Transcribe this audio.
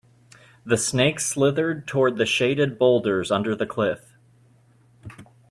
The snake slithered toward the shaded boulders under the cliff.